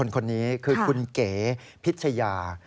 คนนี้คือคุณเก๋พิชยา